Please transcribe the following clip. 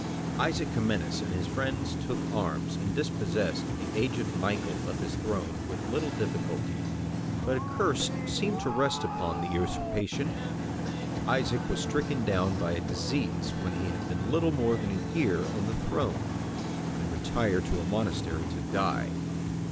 Isaac Comnenus and his friends took arms, and dispossessed the aged Michael of his throne with little difficulty. But a curse seemed to rest upon the usurpation; Isaac was stricken down by disease when he had been little more than a year on the throne, and retired to a monastery to die.